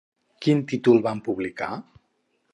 Quin títol van publicar?